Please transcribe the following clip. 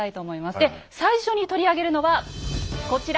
で最初に取り上げるのはこちら。